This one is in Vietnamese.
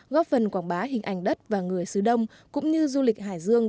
góp phần quảng bá hình ảnh đất và người xứ đông cũng như du lịch hải dương